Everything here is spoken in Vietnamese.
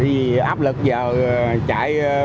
vì áp lực giờ chạy